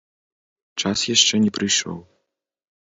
Час яшчэ не прыйшоў.